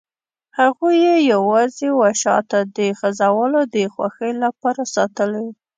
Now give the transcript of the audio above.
هغوی یې یوازې وه شاته د خزهوالو د خوښۍ لپاره ساتلي.